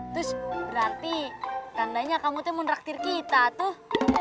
terus berarti tandanya kamu mau nraktir kita tuh